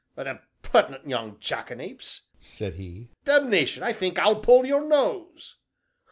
"An impertinent young jackanapes!" said he; "damnation, I think I'll pull your nose!"